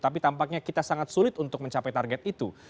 tapi tampaknya kita sangat sulit untuk mencapai target itu